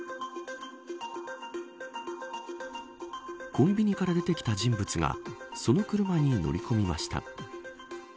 コンビニから出てきた人物がその車に乗り込みました。